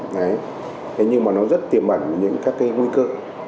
thế nhưng mà nó rất tiềm ẩn những các cái nguy cơ